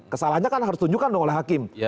kesalahannya kan harus ditunjukkan dong oleh hakim